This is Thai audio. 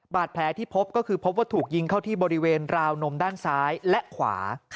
บาดแผลที่พบก็คือพบว่าถูกยิงเข้าที่บริเวณราวนมด้านซ้ายและขวา